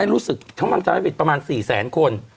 รู้สึกมันจะมีประมาณ๔๐๐๐๐คน